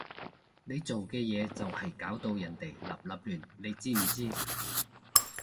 你做嘅嘢就係搞到人哋立立亂，你知唔知？